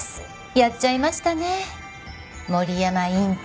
やっちゃいましたね森山院長。